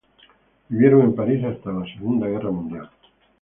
Vivieron en París hasta la Segunda Guerra Mundial.